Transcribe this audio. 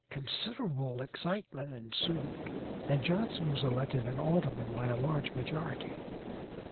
Considerable excitement ensued, and Johnson was elected an alderman by a large majority.